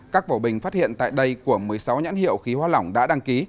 các vỏ bình phát hiện tại đây của một mươi sáu nhãn hiệu khí hoa lỏng đã đăng ký